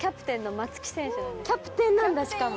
キャプテンなんだしかも。